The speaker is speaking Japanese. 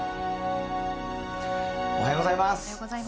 おはようございます。